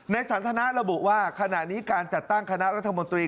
สันทนาระบุว่าขณะนี้การจัดตั้งคณะรัฐมนตรี